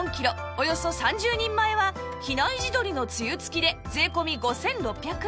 およそ３０人前は比内地鶏のつゆ付きで税込５６００円